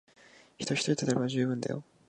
人ひとり立てれば充分だよ。